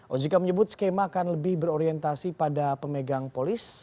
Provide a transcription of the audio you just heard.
ojk menyebut skema akan lebih berorientasi pada pemegang polis